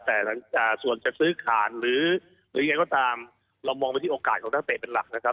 แต่ส่วนจะซื้อขาดหรือยังไงก็ตามเรามองไปที่โอกาสของนักเตะเป็นหลักนะครับ